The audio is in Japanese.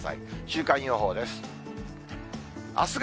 週間予報です。